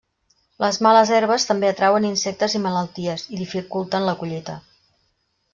Les males herbes també atrauen insectes i malalties, i dificulten la collita.